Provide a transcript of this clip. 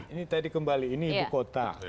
ini tadi kembali ini ibu kota